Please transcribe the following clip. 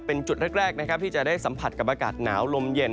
เป็นจุดแรกนะครับที่จะได้สัมผัสกับอากาศหนาวลมเย็น